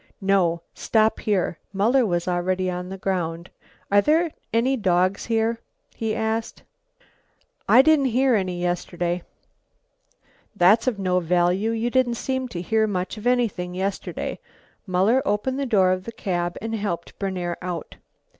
"No, stop here." Muller was already on the ground. "Are there any dogs here?" he asked. "I didn't hear any yesterday." "That's of no value. You didn't seem to hear much of anything yesterday." Muller opened the door of the cab and helped Berner out.